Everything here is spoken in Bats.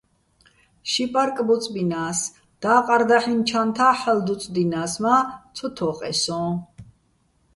ში პარკ ბუწბინა́ს, და́ყარ დაჰ̦ინო̆ ჩანთა́ ჰ̦ალო̆ დუწდინა́ს, მა́ ცო თო́ყეჼ სო́ჼ.